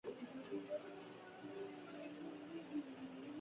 Canada ছিল প্রথম দেশ যেখান থেকে নারীদেরকে বিশেষ সুবিধা প্রদান করা হয়েছিল।